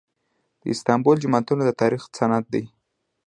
د استانبول جوماتونه د تاریخ سند دي.